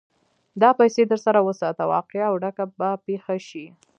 دا پيسې در سره وساته؛ واقعه او ډکه به پېښه شي.